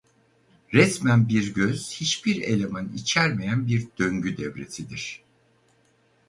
Resmen bir göz hiçbir eleman içermeyen bir döngü devresidir.